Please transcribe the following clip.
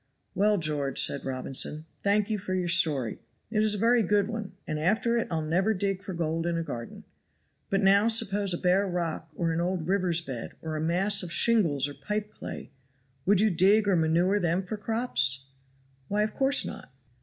"Well, George," said Robinson, "thank you for your story; it is a very good one, and after it I'll never dig for gold in a garden. But now suppose a bare rock or an old river's bed, or a mass of shingles or pipe clay, would you dig or manure them for crops?" "Why, of course not."